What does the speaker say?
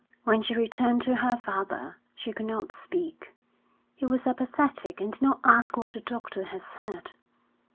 When she returned to her father, she could not speak. He was apathetic and did not ask what the doctor had said.